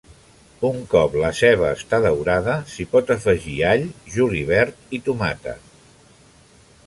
Un cop la ceba està daurada s'hi pot afegir all, julivert i tomata.